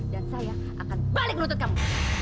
dan saya akan balik menuntut kamu